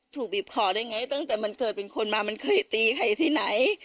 ถูกบีบคอได้ไงตั้งแต่มันเกิดเป็นคนมามันเคยตีใครที่ไหน